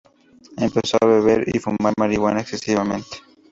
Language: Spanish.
Empezó a beber y fumar marihuana excesivamente.